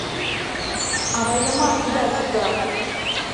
Авайымат ида тӱкӧ!